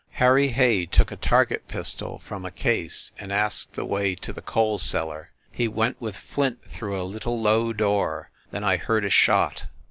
... Harry Hay took a target pistol from a case and asked the way to the coal cellar ... he went with Flint through a little low door ... then I heard a shot.